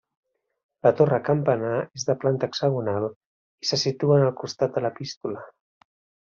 La torre campanar és de planta hexagonal i se situa en el costat de l'Epístola.